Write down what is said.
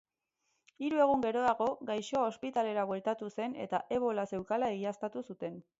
Hiru egun geroago, gaixoa ospitalera bueltatu zen eta ebola zeukala egiaztatu zuten.